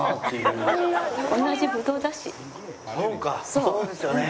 そうですよね。